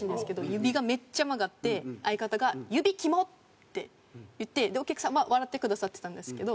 指がめっちゃ曲がって相方が「指キモッ！」って言ってお客さんは笑ってくださってたんですけど。